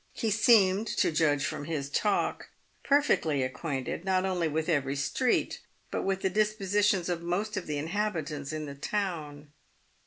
He seemed, to judge from his talk, perfectly acquainted, not only with every street, but with the dispositions of most of the inhabitants in the town.